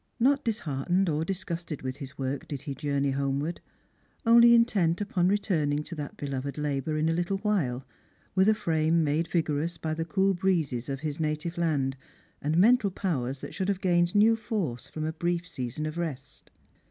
Not disheartened or disgusted with his work did he journey homeward, only intent upon returning to that beloved labour in a little while, with a frame made vigorous by the cool breezes o ihis native land, and mental powers that shonld have gained new force from a brief season of rest.